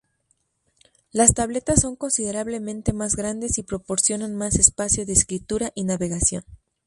Las tabletas son considerablemente más grandes y proporcionan más espacio de escritura y navegación.